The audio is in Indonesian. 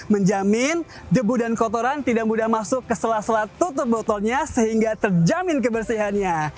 menjamin debu dan kotoran tidak mudah masuk ke sela sela tutup botolnya sehingga terjamin kebersihannya